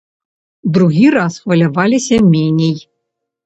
Другі раз хваляваліся меней.